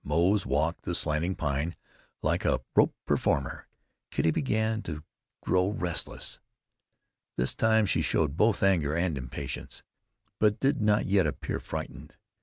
Moze walked the slanting pine like a rope performer. Kitty began to grow restless. This time she showed both anger and impatience, but did not yet appear frightened.